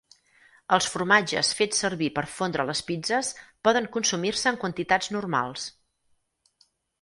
Els formatges fets servir per fondre a les pizzes poden consumir-se en quantitats normals.